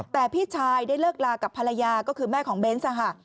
แต่พี่ชายได้เลิกลากับภรรยาก็คือแม่ของเบนส์